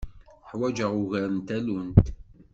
Ḥwaǧeɣ ugar n tallunt.